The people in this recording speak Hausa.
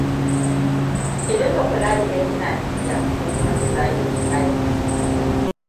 Ki dinga kula idan kina tafiya, ko kuma ki zame ki faɗi.